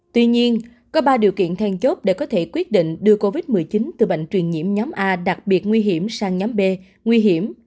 tuy nhiên có ba điều kiện then chốt để có thể quyết định đưa covid một mươi chín từ bệnh truyền nhiễm nhóm a đặc biệt nguy hiểm sang nhóm b nguy hiểm